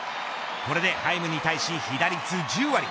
これでハイムに対し被打率１０割。